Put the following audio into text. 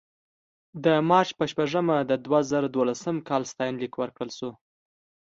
د مارچ په شپږمه د دوه زره دولسم کال ستاینلیک ورکړل شو.